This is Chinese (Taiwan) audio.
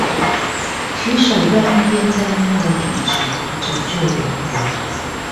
其手段便在滅了體質以救靈魂